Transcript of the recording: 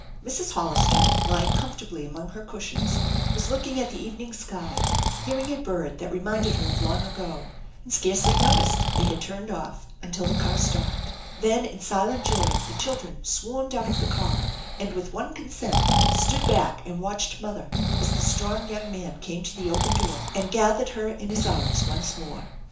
Mrs. Hollister, lying comfortably among her cushions, was looking at the evening sky, hearing a bird that reminded her of long ago, and scarcely noticed they had turned until the car stopped. Then in silent joy the children swarmed out of the car, and with one consent stood back and watched mother, as the strong young man came to the open door and gathered her in his arms once more.